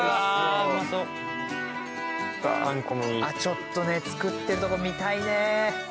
ちょっと作ってるとこ見たいね。